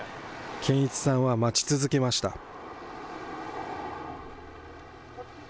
堅一さんは待ち続けました。